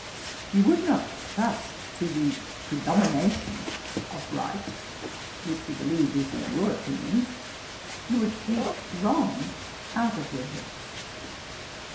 You would not trust to the predomination of right, which you believe is in your opinions; you would keep wrong out of their heads.